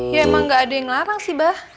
ya emang gak ada yang larang sih bah